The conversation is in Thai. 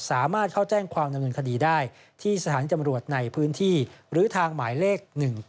สามารถเข้าแจ้งความดำเนินคดีได้ที่สถานจำรวจในพื้นที่หรือทางหมายเลข๑๙